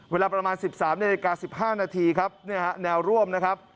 เวลาประมาณ๑๓นาทีนาที๑๕นาทีแนวร่วม